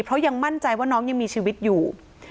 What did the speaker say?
เพราะยังมั่นใจว่าน้องยังมีชีวิตอยู่